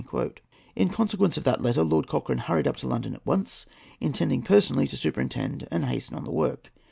In consequence of that letter, Lord Cochrane hurried up to London at once, intending personally to superintend and hasten on the work.